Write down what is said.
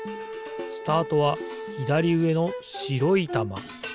スタートはひだりうえのしろいたま。